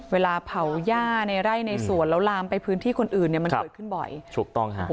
เวลาเผาหญ้าในไร่ในสวนแล้วลามไปพื้นที่คนอื่นเนี่ยมันเกิดขึ้นบ่อยถูกต้องค่ะ